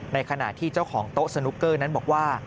ในขณะที่เจ้าของโต๊ะสนุกเกอร์นั้นบอกว่า